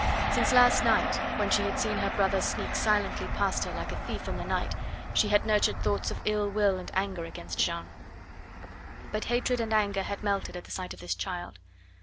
Since last night, when she had seen her brother sneak silently past her like a thief in the night, she had nurtured thoughts of ill will and anger against Jeanne. But hatred and anger had melted at the sight of this child.